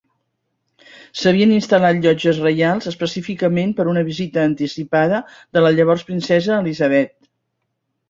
S'havien instal·lat "llotges reials" específicament per una visita anticipada de la llavors princesa Elizabeth.